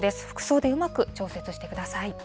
服装でうまく調節してください。